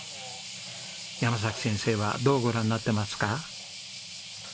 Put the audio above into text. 山崎先生はどうご覧になってますか？